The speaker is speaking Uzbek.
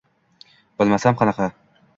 –Bilmasam qanaqa.